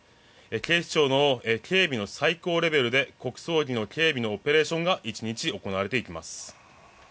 警視庁の警備の最高レベルで国葬儀の警備のオペレーションが１日行われていきます。